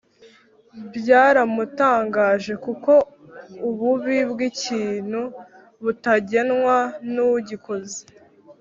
byaramutangaje kuko ububi bw' ikintu butagenwa n'ugikoze.